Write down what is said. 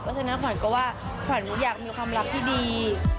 เพราะฉะนั้นขวัญก็ว่าขวัญอยากมีความรักที่ดี